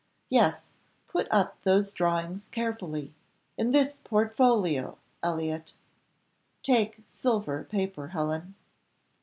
Yes, put up those drawings carefully, in this portfolio, Elliott; take silver paper, Helen."